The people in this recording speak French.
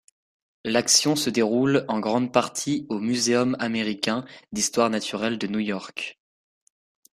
L'action se déroule en grande partie au Muséum américain d'histoire naturelle de New York.